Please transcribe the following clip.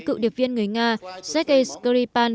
cựu điệp viên người nga sergei skripal